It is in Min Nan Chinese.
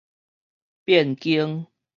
變更